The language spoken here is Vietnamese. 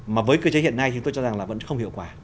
mà với cơ chế hiện nay thì tôi cho rằng là vẫn không hiệu quả